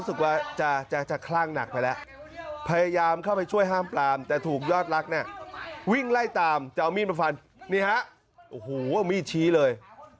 มีดชี้เลยโอ้โหมีดชี้เดินตามไปแบบนี้เลย